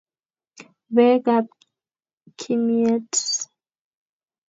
Bek ab kimyet